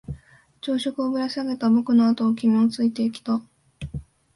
昼食をぶら下げた僕のあとを君はついてきた。